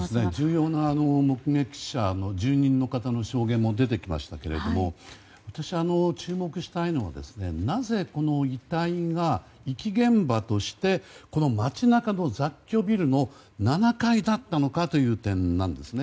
重要な目撃者の住人の方の証言も出てきましたが注目したいのはなぜ、遺体が遺棄現場としてこの街中の雑居ビルの７階だったのかという点。